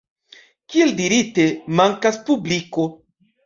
Kiel dirite, mankas publiko.